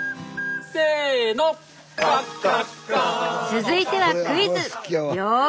続いてはクイズ！